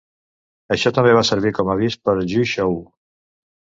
Això també va servir com a avís per Ju Shou.